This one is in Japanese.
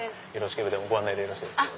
ご案内でよろしいですか？